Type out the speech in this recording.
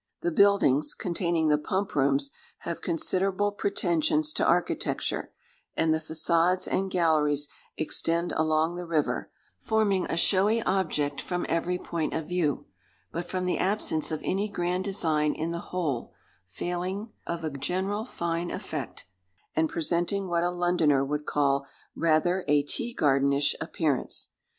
The buildings containing the pump rooms have considerable pretensions to architecture; and the façades and galleries extend along the river, forming a showy object from every point of view, but from the absence of any grand design in the whole, failing of a general fine effect, and presenting what a Londoner would call rather a teagardenish appearance.